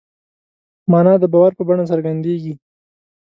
مانا د باور په بڼه څرګندېږي.